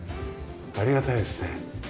ありがたいですね。